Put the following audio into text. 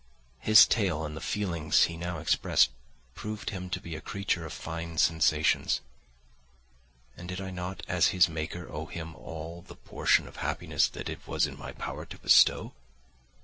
His tale and the feelings he now expressed proved him to be a creature of fine sensations, and did I not as his maker owe him all the portion of happiness that it was in my power to bestow?